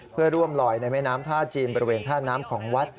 เพื่อร่วมลอยในแม่น้ำท่าจีนบริเวณท่าน้ำของวัด